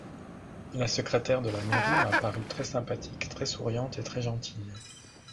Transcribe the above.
La secrétaire de la mairie m’a paru très sympathique, très souriante et très gentille.